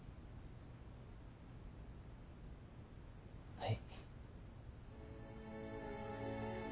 はい。